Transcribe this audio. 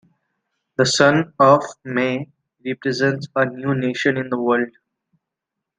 The Sun of May represents a new nation in the world.